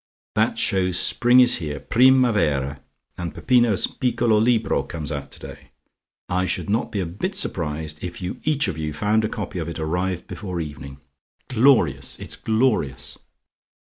"That shows spring is here. Primavera! And Peppino's piccolo libro comes out today. I should not be a bit surprised if you each of you found a copy of it arrived before evening. Glorious! It's glorious!"